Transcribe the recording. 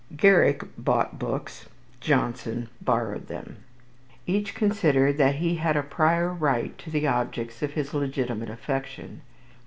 Garrick bought books. Johnson borrowed them. Each considered that he had a prior right to the objects of his legitimate affection.